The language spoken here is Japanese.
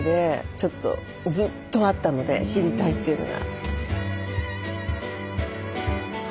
ちょっとずっとあったので知りたいっていうのが。